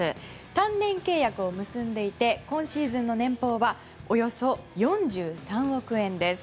単年契約を結んでいて今シーズンの年俸はおよそ４３億円です。